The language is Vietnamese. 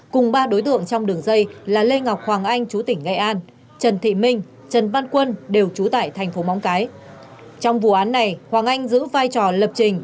cùng ba đối tượng trong đường dây là lê ngọc hoàng anh chú tỉnh nghe an trần thị minh trần văn quân đều chú tải thành phố móng cái